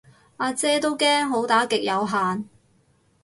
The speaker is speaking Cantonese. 呀姐都驚好打極有限